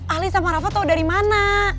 alisa marafa tau dari mana